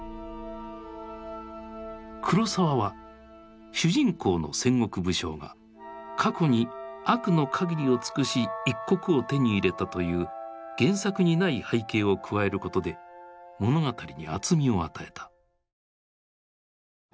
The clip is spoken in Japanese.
黒澤は主人公の戦国武将が過去に悪の限りを尽くし一国を手に入れたという原作にない背景を加えることで物語に厚みを与えた。